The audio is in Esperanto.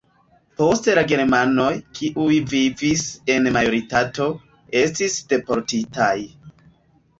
Poste la germanoj, kiuj vivis en majoritato, estis deportitaj.